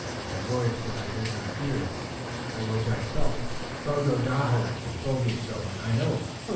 In a voice that I did not hear, but which I felt, Tododaho told me so, and I know."